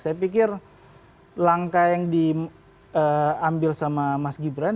saya pikir langkah yang diambil sama mas gibran